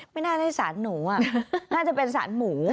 ไม่น่าได้สารหนูน่าจะเป็นสารหมู